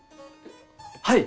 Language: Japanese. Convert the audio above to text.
はい！